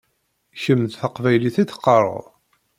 Kemm d taqbaylit i teqqaṛeɣ.